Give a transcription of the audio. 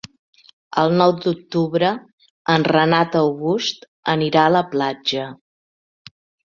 El nou d'octubre en Renat August anirà a la platja.